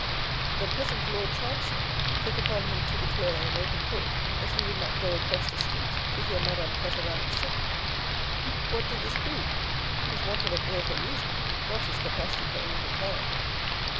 The present Lord Chancellor took upon him to declare in open court that he would not go across the street to hear Madame Catalani sing. What did this prove ? His want of an ear for music, not his capacity for anything higher.